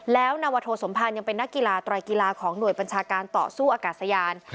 แล้วนวโทสมภารยังเป็นนักกีฬาไตรกีฬาของหน่วยบัญชาการต่อสู้อากาศยาน